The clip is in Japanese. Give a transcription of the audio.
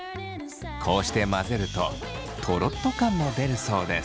こうして混ぜるととろっと感も出るそうです。